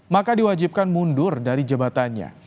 maka diwajibkan mundur dari jabatannya